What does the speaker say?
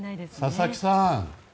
佐々木さん